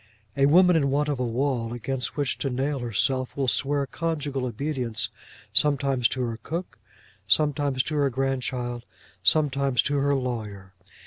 A woman in want of a wall against which to nail herself will swear conjugal obedience sometimes to her cook, sometimes to her grandchild, sometimes to her lawyer.